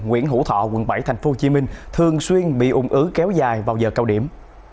nguyễn hữu thọ quận bảy thành phố hồ chí minh thường xuyên bị ủng ứ kéo dài vào giờ cao điểm